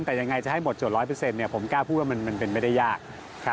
แต่ยังไงจะให้บทจด๑๐๐ผมกล้าพูดว่ามันเป็นไม่ได้ยาก